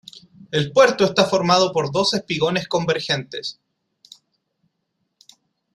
El puerto está formado por dos espigones convergentes.